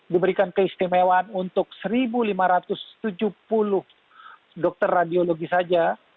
diberikan keistimewaan untuk satu lima ratus tujuh puluh dokter radiologi saja